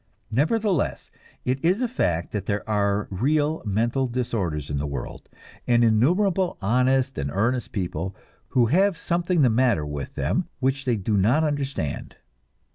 Nevertheless, it is a fact that there are real mental disorders in the world, and innumerable honest and earnest people who have something the matter with them which they do not understand.